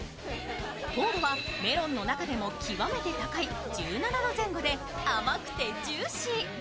糖度はメロンの中でも極めて高い１７度前後で甘くてジューシー。